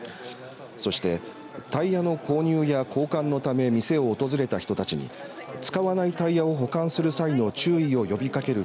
そして、タイヤの購入や交換のため店を訪れた人たちに使わないタイヤを保管する際の注意を呼びかける